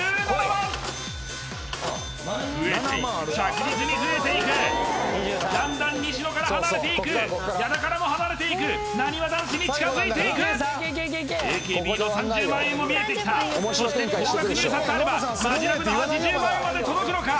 増えていく着実に増えていくだんだん西野から離れていく矢田からも離れていくなにわ男子に近づいていくＡＫＢの３０万円も見えてきたそして高額入札あればマヂラブの８０万円まで届くのか？